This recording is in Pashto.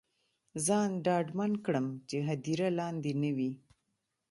ځان ډاډمن کړم چې هدیره لاندې نه وي.